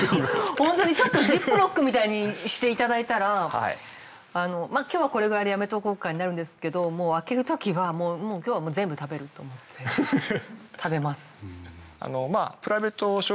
ホントにちょっとジップロックみたいにしていただいたらまあ今日はこれくらいでやめとこうかになるんですけどもう開けるときはもう今日は全部食べると思って食べます。